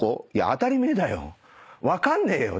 「当たり前だよ。分かんねえよ。